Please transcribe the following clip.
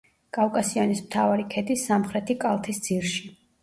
კავკასიონის მთავარი ქედის სამხრეთი კალთის ძირში.